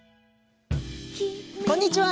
こんにちは。